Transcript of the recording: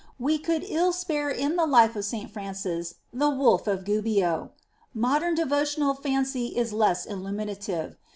We could ill spare in the life of St. Francis the Wolf of Gubbio. Modern devotional fancy is less illuminative.